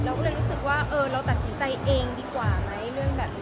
เราก็เลยรู้สึกว่าเออเราตัดสินใจเองดีกว่าไหมเรื่องแบบนี้